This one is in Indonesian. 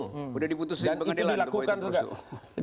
sudah diputuskan pengadilan untuk itu